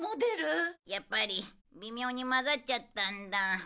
やっぱり微妙にまざっちゃったんだ。